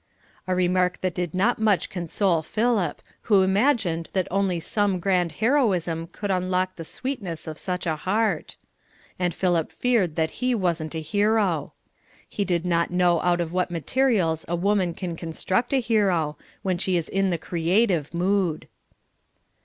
A remark that did not much console Philip, who imagined that only some grand heroism could unlock the sweetness of such a heart; and Philip feared that he wasn't a hero. He did not know out of what materials a woman can construct a hero, when she is in the creative mood.